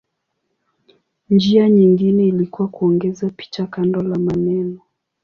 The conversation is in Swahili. Njia nyingine ilikuwa kuongeza picha kando la maneno.